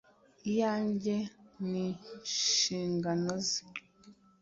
ijyanye nishingano ze .